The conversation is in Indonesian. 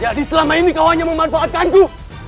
jadi selama ini kau hanya memanfaatkanku